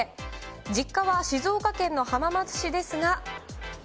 実家は静岡県の浜松市ですが。